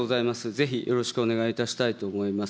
ぜひよろしくお願いいたしたいと思います。